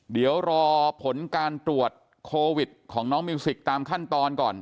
เดี๋ยวรอผลการตรวจโควิดของน้องมิวสิกตามขั้นตอนก่อน